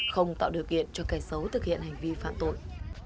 không tạo điều kiện cho cây xấu thực hiện hành vi phạm tội